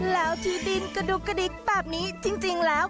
แล้วที่ดินกระดุกกระดิกแบบนี้จริงแล้ว